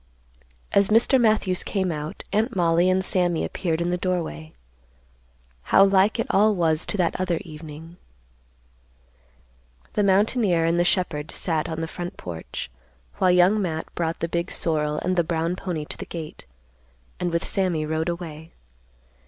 As Mr. Matthews came out, Aunt Mollie and Sammy appeared in the doorway. How like it all was to that other evening. The mountaineer and the shepherd sat on the front porch, while Young Matt brought the big sorrel and the brown pony to the gate, and with Sammy rode away.